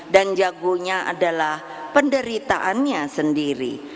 dan jagonya adalah penderitaannya sendiri